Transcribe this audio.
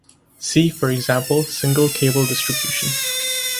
See, for example, single cable distribution.